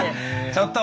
「ちょっと！